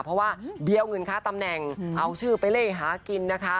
เพราะว่าเบี้ยวเงินค่าตำแหน่งเอาชื่อไปเล่หากินนะคะ